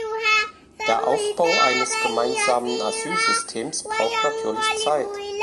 Der Aufbau eines Gemeinsamen Asylsystems braucht natürlich Zeit.